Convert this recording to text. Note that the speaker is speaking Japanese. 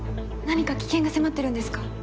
何か危険が迫ってるんですか？